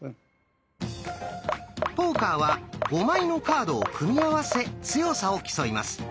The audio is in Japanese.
「ポーカー」は５枚のカードを組み合わせ強さを競います。